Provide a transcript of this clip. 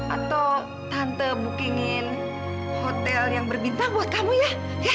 atau tante bookingin hotel yang berbintang buat kamu ya